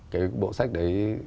cái bộ sách đấy